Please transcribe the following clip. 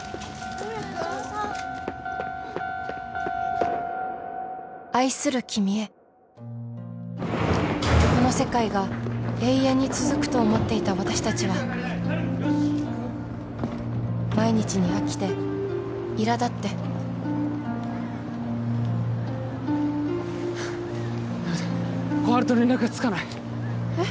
萱島さん愛する君へこの世界が永遠に続くと思っていた私達は毎日に飽きていらだってダメだ小春と連絡がつかないえっ？